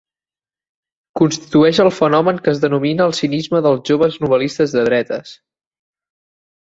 Constitueix el fenomen que es denomina el cinisme dels joves novel·listes de dretes.